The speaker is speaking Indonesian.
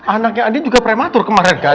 anaknya andi juga prematur kemarin kan